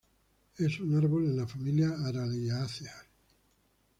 Es un árbol en la familia Araliaceae.